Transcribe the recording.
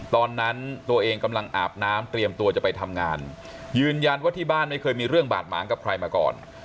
ตอนนั้นตัวเองกำลังอาบน้ำเตรียมตัวจะไปทำงานยืนยันว่าที่บ้านไม่เคยมีเรื่องบาดหมางกับใครมาก่อน